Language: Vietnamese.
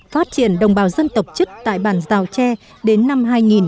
phát triển đồng bào dân tộc chức tại bản giao tre đến năm hai nghìn ba mươi